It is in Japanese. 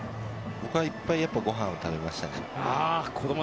僕はやっぱりいっぱいご飯を食べましたね。